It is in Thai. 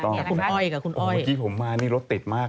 แล้วคุณอ้อยกับคุณอ้อยเมื่อกี้ผมมานี่รถติดมาก